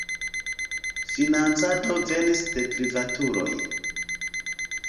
Financado venis de privatuloj.